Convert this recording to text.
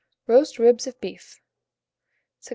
ROAST RIBS OF BEEF. 657.